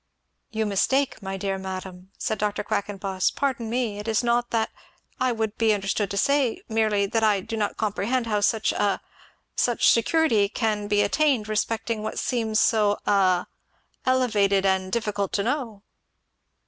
"You mistake, my dear madam," said Dr. Quackenboss, "pardon me it is not that I would be understood to say, merely, that I do not comprehend how such a such security can be attained respecting what seems so a elevated and difficult to know."